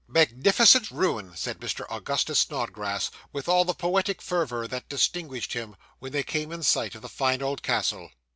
'Magnificent ruin!' said Mr. Augustus Snodgrass, with all the poetic fervour that distinguished him, when they came in sight of the fine old castle.